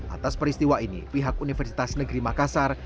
atas peristiwa ini pihak universitas negeri makassar